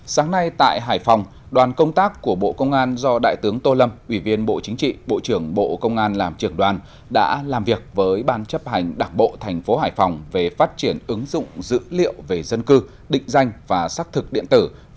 sáng nay tại hải phòng đoàn công tác của bộ công an do đại tướng tô lâm ủy viên bộ chính trị bộ trưởng bộ công an làm trưởng đoàn đã làm việc với ban chấp hành đảng bộ thành phố hải phòng về phát triển ứng dụng dữ liệu về dân cư định danh và xác thực điện tử